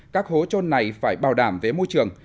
các hố trôn này phải bảo đảm về môi trường